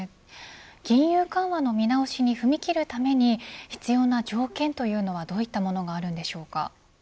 金融緩和の見直しに踏み切るために必要な条件というのはどういったものがあるんでしょうか。